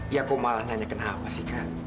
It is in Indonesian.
ya aku malah nanya kenapa sih kak